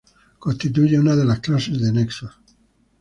Constituye una de las clases de nexos.